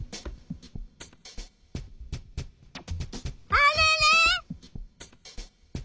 あれれ？